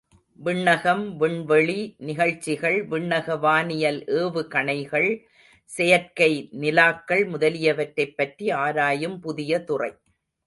விண்ணகம், விண்வெளி நிகழ்ச்சிகள், விண்ணக வானியல், ஏவுகணைகள், செயற்கை நிலாக்கள் முதலியவை பற்றி ஆராயும் புதிய துறை.